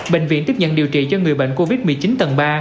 bệnh viện tiếp nhận điều trị cho người bệnh covid một mươi chín tầng ba